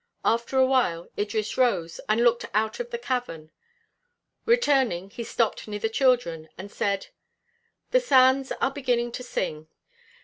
After a while Idris rose and looked out of the cavern; returning, he stopped near the children, and said: "The sands are beginning to sing."